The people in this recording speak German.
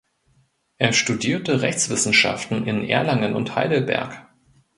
Er studierte Rechtswissenschaften in Erlangen und Heidelberg.